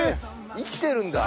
生きてるんだ